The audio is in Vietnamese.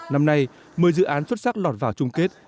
năm nay một mươi dự án xuất sắc lọt vào chung kết